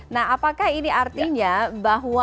nah apakah ini artinya bahwa